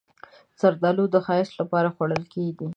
زردالو د ښایست لپاره خوړل کېږي.